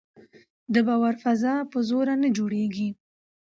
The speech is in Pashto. د باور فضا په زور نه جوړېږي